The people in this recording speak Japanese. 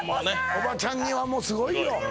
おばちゃんにはもうすごいよ